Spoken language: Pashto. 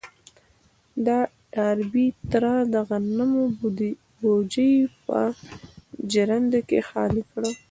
د ډاربي تره د غنمو بوجۍ په ژرنده کې خالي کړه.